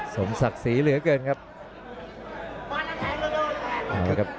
สมศักดิ์ศรีเหลือเกินครับ